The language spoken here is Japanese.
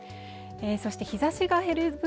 そして日差しが減る分